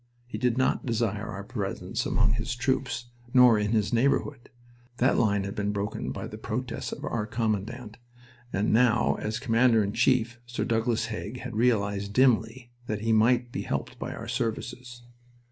He did not desire our presence among his troops nor in his neighborhood. That line had been broken by the protests of our commandant, and now as Commander in Chief, Sir Douglas Haig had realized dimly that he might be helped by our services.